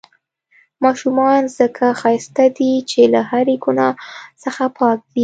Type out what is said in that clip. ماشومان ځڪه ښايسته دي، چې له هرې ګناه څخه پاک دي.